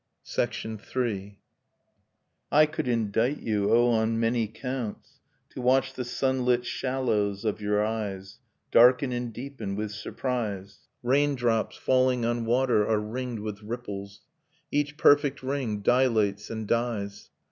I Meditation on a June Evening III. 1 could indict you, oh, on many counts: To watch the sunHt shallows of your eyes Darken and deepen with surprise. Raindrops, falling on water, are ringed with ripples : Each perfect ring dilates and dies.